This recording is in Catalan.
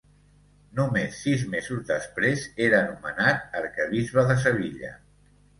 Només sis mesos després era nomenat arquebisbe de Sevilla.